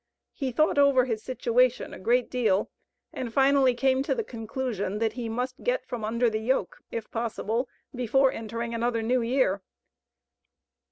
He thought over his situation a great deal, and finally came to the conclusion, that he must get from under the yoke, if possible, before entering another New Year.